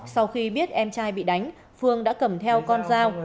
sau khi biết em trai bị đánh phương đã cầm theo con dao